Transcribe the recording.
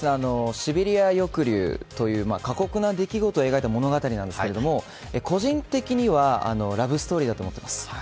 シベリア抑留という過酷な出来事を描いた物語なんですけど個人的には、ラブストーリーだと思っています。